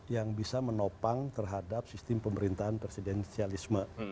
yang bisa menopang terhadap sistem pemerintahan presidensialisme